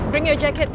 bring your jacket